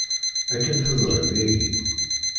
Akken teẓriḍ yagi.